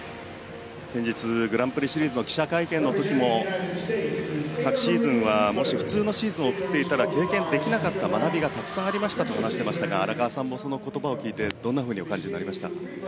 先日グランプリシリーズの記者会見の時も昨シーズンはもし普通のシーズンを送っていたら経験できなかった学びがたくさんありましたと話していましたが荒川さんも、その言葉を聞いてどんなふうにお感じになりましたか？